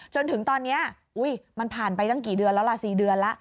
จนถึงตอนนี้มันผ่านไปตั้งกี่เดือนแล้วล่ะ๔เดือนแล้ว